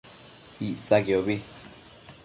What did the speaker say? Icsaquiobi